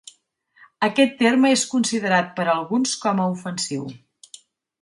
Aquest terme és considerat per alguns com a ofensiu.